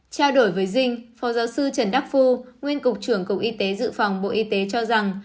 trao đổi với dinh phó giáo sư trần đắc phu nguyên cục trưởng cục y tế dự phòng bộ y tế cho rằng